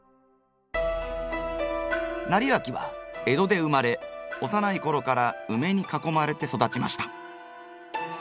斉昭は江戸で生まれ幼い頃からウメに囲まれて育ちました。